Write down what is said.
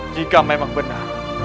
jika memang benar